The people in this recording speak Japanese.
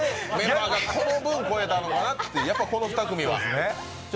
この分超えたのかなって、この２組は。